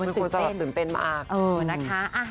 มันควรจะตื่นเต้นมาก